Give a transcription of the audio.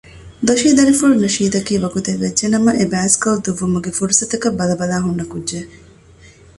ދޮށީ ދަރިފުޅު ނަޝީދަކީ ވަގުތެއްވެއްޖެ ނަމަ އެ ބައިސްކަލް ދުއްވުމުގެ ފުރުސަތަކަށް ބަލަބަލާ ހުންނަ ކުއްޖެއް